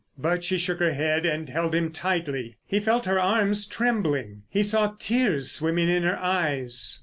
But she shook her head, and held him tightly. He felt her arms trembling. He saw tears swimming in her eyes.